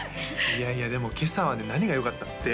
いやいやでも今朝はね何がよかったって